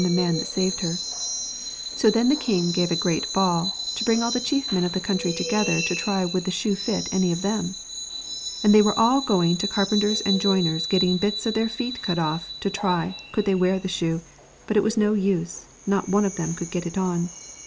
* that have the man that saved her. no Moral. So then the king gave a great ball, to bring all the chief men of the country together to try would the shoe fit any of them. And they were all going to car penters and joiners getting bits of their feet cut off to try could they wear the shoe, but it was no use, not one of them could get it on.